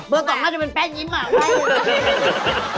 เบอร์สองน่าจะเป็นแป๊กยิ้มอ่ะไอ้เบอร์